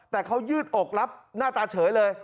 แต่เขายืดอกรับหน้าตาเฉยเลย